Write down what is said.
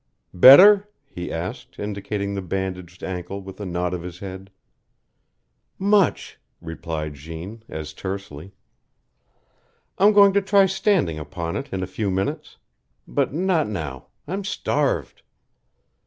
"Better?" he asked, indicating the bandaged ankle with a nod of his head. "Much," replied Jeanne, as tersely. "I'm going to try standing upon it in a few minutes. But not now. I'm starved."